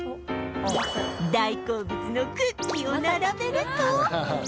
大好物のクッキーを並べると